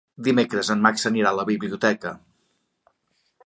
Dimecres en Max anirà a la biblioteca.